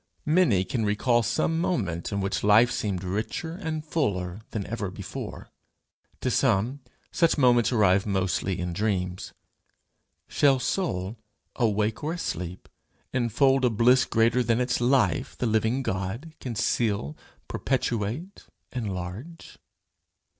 Many can recall some moment in which life seemed richer and fuller than ever before; to some, such moments arrive mostly in dreams: shall soul, awake or asleep, infold a bliss greater than its Life, the living God, can seal, perpetuate, enlarge?